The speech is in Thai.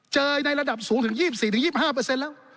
ในระดับสูงถึง๒๔๒๕แล้ว